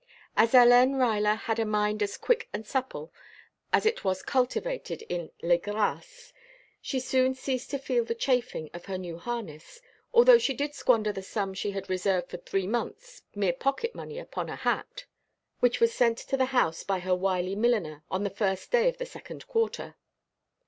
As Hélène Ruyler had a mind as quick and supple as it was cultivated in les graces, she soon ceased to feel the chafing of her new harness, although she did squander the sum she had reserved for three months mere pocket money upon a hat; which was sent to the house by her wily milliner on the first day of the second quarter.